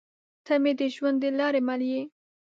تۀ مې د ژوند د لارې مل يې